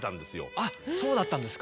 あそうだったんですか。